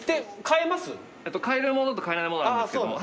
買えるものと買えないものがあるんですけども。